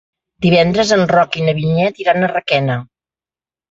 Divendres en Roc i na Vinyet iran a Requena.